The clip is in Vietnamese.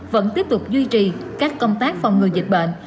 vẫn tiếp tục duy trì các công tác phòng ngừa dịch bệnh